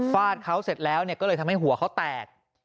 ฟาดเขาเสร็จแล้วก็เลยทำให้หัวเขาแตก